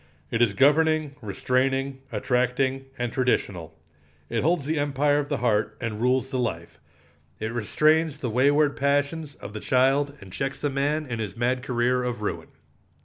It is governing, restraining, attracting, and traditional. It holds the empire of the heart and rules the life. It restrains the wayward passions of the child and checks the man in his mad career of ruin.